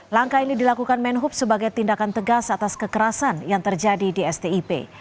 langkah ini dilakukan menhub sebagai tindakan tegas atas kekerasan yang terjadi di stip